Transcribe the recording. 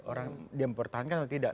orang dia mempertahankan atau tidak